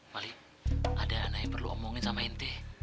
mali ada yang perlu omongin sama inti